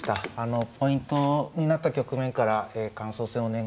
ポイントになった局面から感想戦お願いしたいと思います。